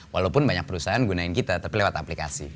walaupun banyak perusahaan gunain kita tapi lewat aplikasi